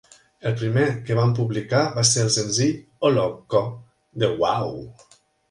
El primer que van publicar va ser el senzill "O'Locco" de Wau!